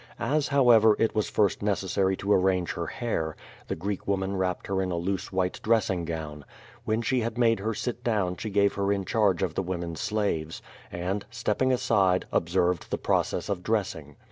As, however, it was first necessary to arrange her hair, the Greek woman wrapped her in a loose white dressing gown. When she had made her sit down she gave her in charge of the women slaves, and, stepping aside, ob served the process of dressing.